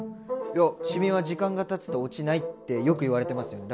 いやシミは時間がたつと落ちないってよく言われてますよね。